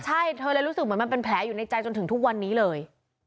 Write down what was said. ใช่เธอเลยรู้สึกเหมือนมันเป็นแผลอยู่ในใจจนถึงทุกวันนี้เลย